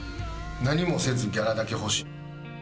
何もせずギャラだけ欲しい。